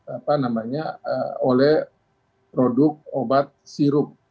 apa namanya oleh produk obat sirup